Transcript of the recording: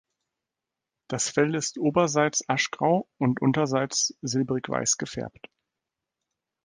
Das Fell ist oberseits aschgrau und unterseits silbrigweiß gefärbt.